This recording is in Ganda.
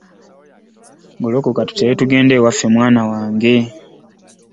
Golokoka tutere tugende ewaffe mwaana gwe.